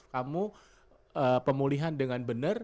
kamu pemulihan dengan benar